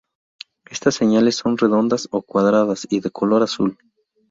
Estas señales son redondas o cuadradas, y de color azul.